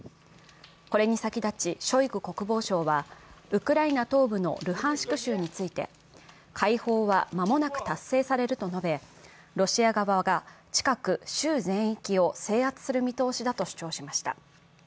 これに先立ち、ショイグ国防相はウクライナ東部のルハンシク州について解放は間もなく達成されると述べ、ロシア側が近く、州全域を制圧する見通しだと主張しました。